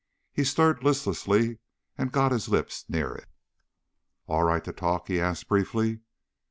He stirred listlessly and got his lips near it. "All right to talk?" he asked briefly.